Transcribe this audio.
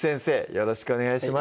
よろしくお願いします